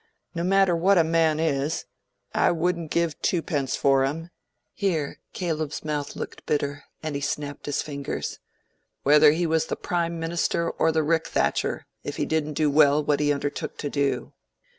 No matter what a man is—I wouldn't give twopence for him"—here Caleb's mouth looked bitter, and he snapped his fingers—"whether he was the prime minister or the rick thatcher, if he didn't do well what he undertook to do."